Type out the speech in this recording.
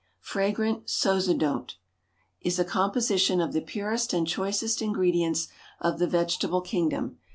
FRAGRANT SOZODONT Is a composition of the purest and choicest ingredients of the vegetable kingdom.